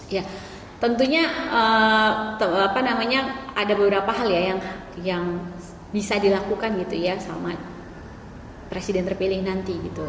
ya tentunya ada beberapa hal ya yang bisa dilakukan gitu ya sama presiden terpilih nanti gitu